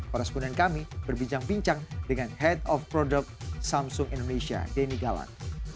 pada sepuluh hari kami berbincang bincang dengan head of product samsung indonesia danny galan